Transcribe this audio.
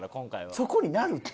そこになるって。